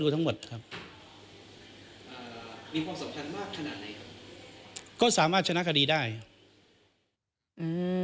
ต้องมีความสำคัญมากขนาดไหน